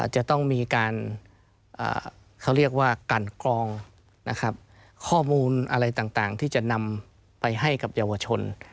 จะต้องมีการกันกล้องข้อมูลอะไรต่างที่จะนำไปให้กับเยาวชน